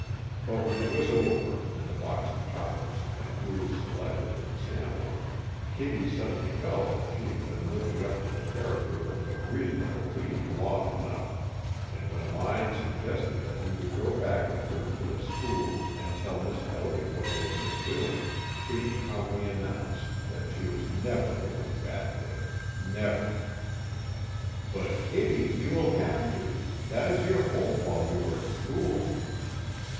But when it was over, and the box of chocolates had been duly selected and sampled, Kittie suddenly felt that she had been living up to the character of a reasonable being long enough, and when Lyon suggested that he would go back with her to the school and tell Miss Elliott what they had been doing, Kittie calmly announced that she was never going back there. Never. "But, Kittie, you will have to! That is your home while you are at school."